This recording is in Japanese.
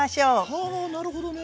はあなるほどね！